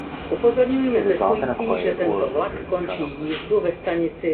It is often acquired orally during childhood.